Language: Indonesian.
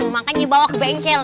makanya bawa ke bengkel